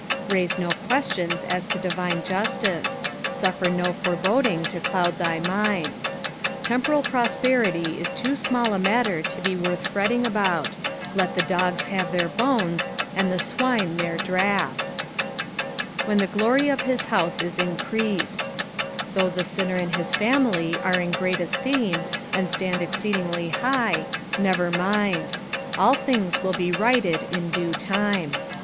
RHise no questinns as to divioe justice ; suffer no fore boding tii cloud thy raind. Temporal prosperity is too small a matter to be ■worth fretting about ; let the do^ have their bones, and the swine ihcir drafl. "IPKea the glory of his Ahum u increrued.^' Though the sinner and his family are in great esteem, and stand exceedingly hi^, never roind ; all things will he righted in due time.